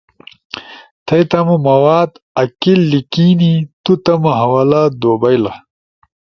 تھئی تمو مواد اکی لیکینی تو تمو حوالہ دو بئیلا۔